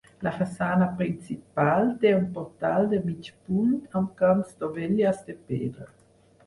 La façana principal té un portal de mig punt amb grans dovelles de pedra.